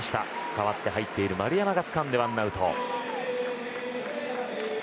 代わって入っている丸山がつかんで１アウト。